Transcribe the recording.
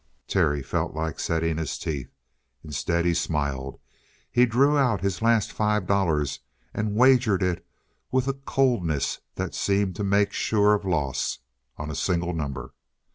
Terry felt like setting his teeth. Instead, he smiled. He drew out his last five dollars and wagered it with a coldness that seemed to make sure of loss, on a single number.